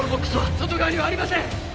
外側にはありません！